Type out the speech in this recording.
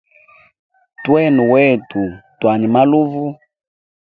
Twene wetu twanywe maluvu.